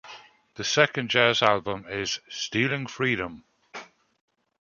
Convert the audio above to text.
The second jazz album is "Stealing Freedom".